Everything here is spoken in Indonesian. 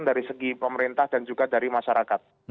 dari segi pemerintah dan juga dari masyarakat